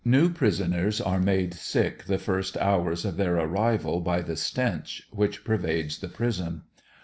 New prisoners are made sick the first hours of their arrival by the stench which pervades the prison.